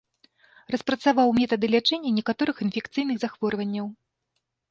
Распрацаваў метады лячэння некаторых інфекцыйных захворванняў.